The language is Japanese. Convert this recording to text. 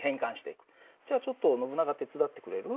じゃあちょっとノブナガ手伝ってくれる？